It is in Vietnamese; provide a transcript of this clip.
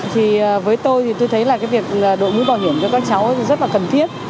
thì với tôi thì tôi thấy là cái việc đội mũ bảo hiểm cho các cháu rất là cần thiết